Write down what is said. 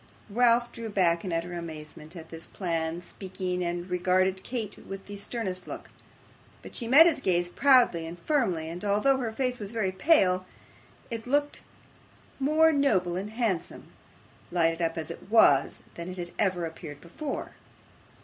Ralph drew back in utter amazement at this plain speaking, and regarded Kate with the sternest look. But she met his gaze proudly and firmly, and although her face was very pale, it looked more noble and handsome, lighted up as it was, than it had ever appeared before.